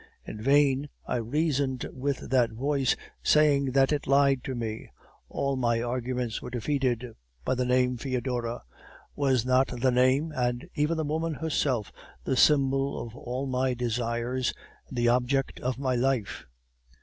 In vain I reasoned with that voice, saying that it lied to me; all my arguments were defeated by the name 'Foedora.' Was not the name, and even the woman herself, the symbol of all my desires, and the object of my life?